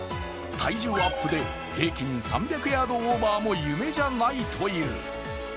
体重アップで平均３００ヤードオーバーも夢でないという。